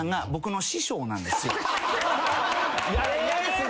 嫌ですね。